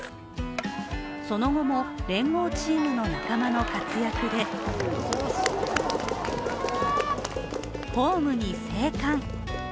その後も連合チームの仲間の活躍でホームに生還。